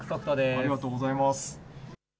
ありがとうございます。